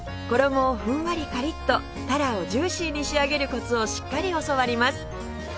衣をふんわりカリッとタラをジューシーに仕上げるコツをしっかり教わります